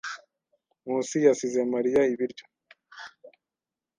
Nkusi yasize Mariya ibiryo.